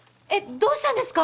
どうしたんですか？